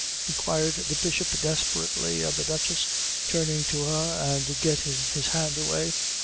inquired the Bishop desperately of the Duchess, turning to her and getting his hand away.